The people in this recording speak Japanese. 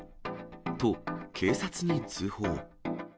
と、警察に通報。